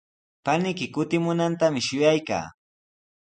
Paniyki kutimunantami shuyaykaa.